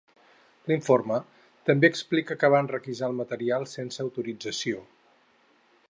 L'informe també explica que van requisar el material sense autorització.